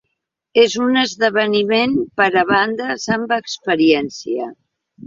És un esdeveniment per a bandes amb experiència.